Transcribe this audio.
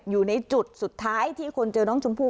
อยู่ในจุดสุดท้ายที่คนเจอน้องชมพู่